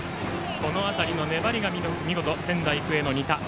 この辺りの粘りが見事仙台育英の仁田。